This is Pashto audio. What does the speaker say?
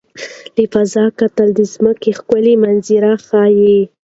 له فضا کتل د ځمکې ښکلي منظره ښيي.